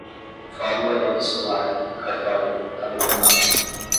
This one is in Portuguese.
fórmula epistolar, cartório, tabelionato